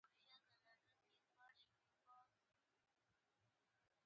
دلته انسانان مخالفت نه کوي.